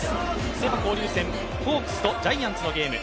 セ・パ交流戦ホークスとジャイアンツのゲーム。